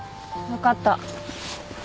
分かった。